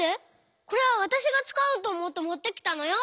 これはわたしがつかおうとおもってもってきたのよ！